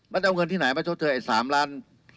มันจะเอาเงินที่ไหนมาชดเธอไอ้๓ล้าน